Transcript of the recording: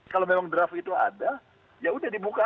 kalau memang draft itu ada yaudah dibuka aja